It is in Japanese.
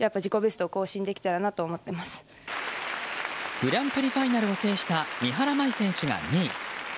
グランプリファイナルを制した三原舞依選手が２位。